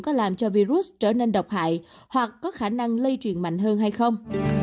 có làm cho virus trở nên độc hại hoặc có khả năng lây truyền mạnh hơn hay không